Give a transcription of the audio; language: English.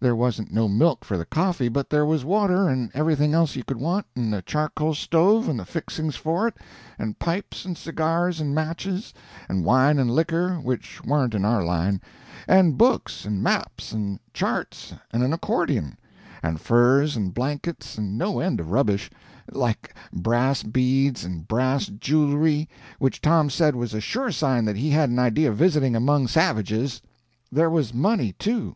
There wasn't no milk for the coffee, but there was water, and everything else you could want, and a charcoal stove and the fixings for it, and pipes and cigars and matches; and wine and liquor, which warn't in our line; and books, and maps, and charts, and an accordion; and furs, and blankets, and no end of rubbish, like brass beads and brass jewelry, which Tom said was a sure sign that he had an idea of visiting among savages. There was money, too.